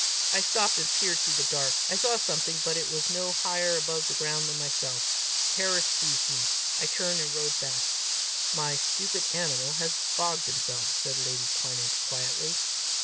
I stopped, and peered through the dark. I saw something, but it was no higher above the ground than myself. Terror seized me. I turned and rode back. "My stupid animal has bogged himself!" said lady Cairnedge quietly.